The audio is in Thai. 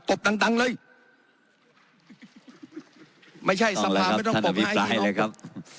ตบดังดังเลยไม่ใช่ท่านประธานไม่ต้องปบให้ไอ้น้องต้องแล้วครับท่านอภิปรายเลยครับ